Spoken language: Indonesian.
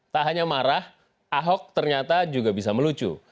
tak hanya marah ahok ternyata juga bisa melucu